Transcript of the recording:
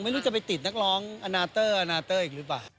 ไม่รู้จะไปติดนักร้องอนาเตอร์อาณาเตอร์อีกหรือเปล่า